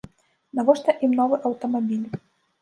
Навошта ім новы аўтамабіль?